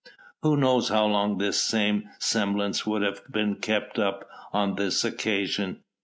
Who knows how long this same semblance would have been kept up on this occasion?